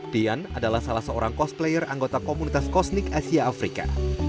dian adalah salah seorang cosplayer anggota komunitas kosnik asia afrika